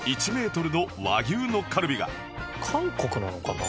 韓国なのかな？